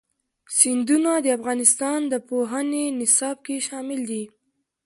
سیندونه د افغانستان د پوهنې نصاب کې شامل دي.